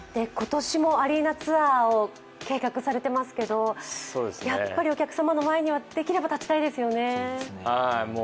今年もアリーナツアーを計画されていますけど、やっぱりお客様の前にはできれば立ちたいですよね。